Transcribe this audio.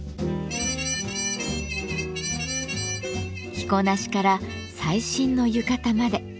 着こなしから最新の浴衣まで。